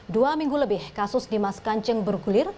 dua minggu lebih kasus dimas kanjeng bergulir